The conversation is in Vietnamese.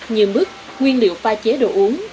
như mức nguyên liệu pha chế đồ uống